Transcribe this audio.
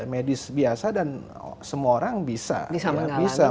medis biasa dan semua orang bisa bisa mengalaminya